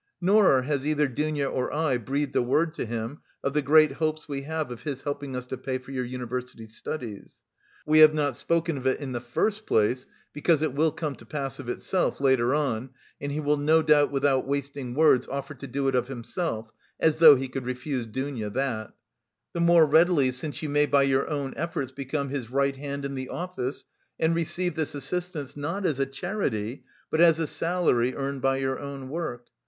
Nor has either Dounia or I breathed a word to him of the great hopes we have of his helping us to pay for your university studies; we have not spoken of it in the first place, because it will come to pass of itself, later on, and he will no doubt without wasting words offer to do it of himself, (as though he could refuse Dounia that) the more readily since you may by your own efforts become his right hand in the office, and receive this assistance not as a charity, but as a salary earned by your own work.